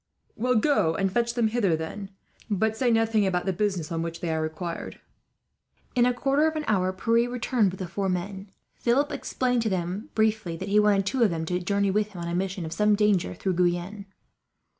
"Well, go and fetch them hither, then. Say nothing about the business on which they are required." In a quarter of an hour Pierre returned, with the four men. Philip explained to them, briefly, that he wanted two of them to journey with him, on a mission of some danger, through Guyenne.